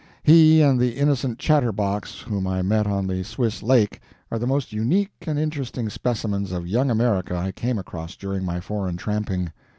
He and the innocent chatterbox whom I met on the Swiss lake are the most unique and interesting specimens of Young America I came across during my foreign tramping.